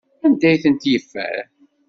Anda ay tent-yeffer?